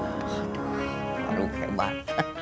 aduh baru hebat